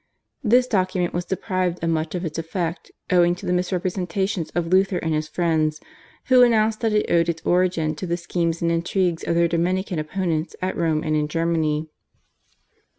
This document was deprived of much of its effect owing to the misrepresentations of Luther and his friends, who announced that it owed its origin to the schemes and intrigues of their Dominican opponents at Rome and in Germany.